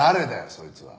そいつは。